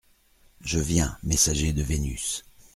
Je viens, messager de Vénus…